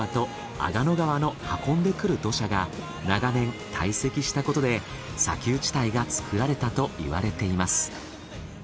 阿賀野川の運んでくる土砂が長年堆積したことで砂丘地帯が作られたといわれています。